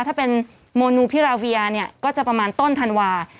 ถ้าเป็นโมนูพิราเวียเนี่ยก็จะประมาณต้นธันวา